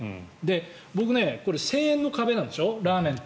僕、１０００円の壁なんでしょラーメンって。